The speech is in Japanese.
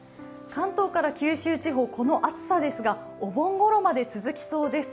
関東から九州地方、この暑さですがお盆ごろまで続きそうです。